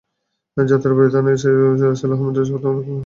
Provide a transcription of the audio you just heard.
যাত্রাবাড়ী থানার এসআই রাসেল আহমেদ প্রথম আলোকে ঘটনার সত্যতা নিশ্চিত করেছেন।